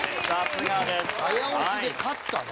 早押しで勝ったね。